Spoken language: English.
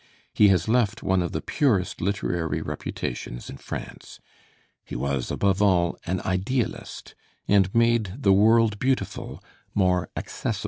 He has left one of the purest literary reputations in France. He was above all an idealist, and made the World Beautiful more accessible to us.